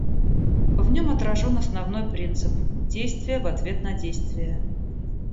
В нем отражен основной принцип — действие в ответ на действие.